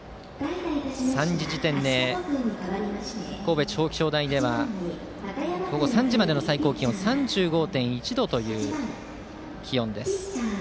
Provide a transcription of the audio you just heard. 神戸地方気象台では午後３時までの最高気温３５．１度という気温です。